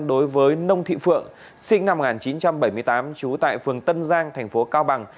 đối với nông thị phượng sinh năm một nghìn chín trăm bảy mươi tám trú tại phường tân giang thành phố cao bằng